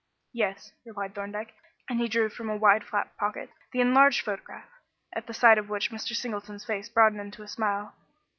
"Yes," replied Thorndyke, and he drew from a wide flap pocket the enlarged photograph, at the sight of which Mr. Singleton's face broadened into a smile.